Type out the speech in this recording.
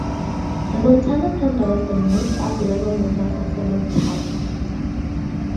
The Montana Thunder was the most up-level model of the Montana.